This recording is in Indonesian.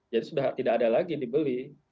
jadi sudah tidak ada lagi dibeli